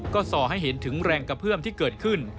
ก็ส่อให้เห็นถึงแรงกระเพื่อมที่เกิดขึ้น